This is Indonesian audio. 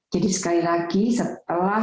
jadi sekali lagi setelah